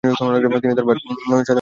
তিনি তার ভাইয়ের সাথে অবস্থান করেছেন।